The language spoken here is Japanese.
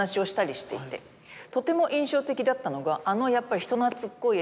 とても印象的だったのがあのやっぱり。